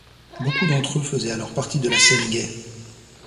Beaucoup d'entre eux faisaient alors partie de la scène gay.